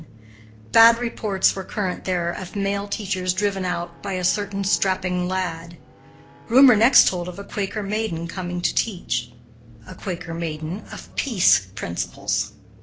Bad reports were current there of male teachers driven out by a certain strapping lad. Rumor next told of a Quaker maiden coming to teach a Quaker maiden of peace principles.